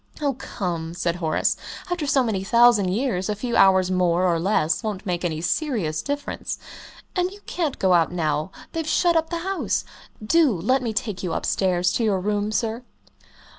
"Oh, come!" said Horace, "after so many thousand years, a few hours more or less won't make any serious difference. And you can't go out now they've shut up the house. Do let me take you upstairs to your room, sir."